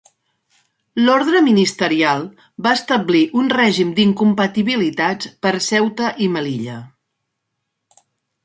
L'Ordre ministerial va establir un règim d'incompatibilitats per a Ceuta i Melilla.